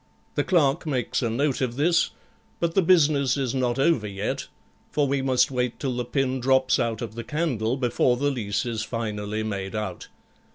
The clerk makes a note of this; but the business is not over yet, for we must wait till the pin drops out of the candle before the lease is finally made out.